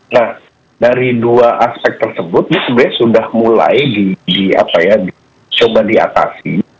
nah dari dua aspek tersebut ini sebenarnya sudah mulai coba diatasi